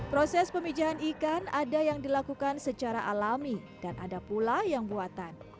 proses pemijahan ikan ada yang dilakukan secara alami dan ada pula yang buatan